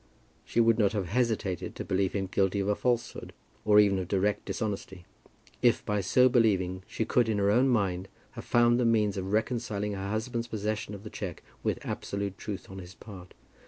She would not have hesitated to believe him guilty of a falsehood, or even of direct dishonesty, if by so believing she could in her own mind have found the means of reconciling her husband's possession of the cheque with absolute truth on his part.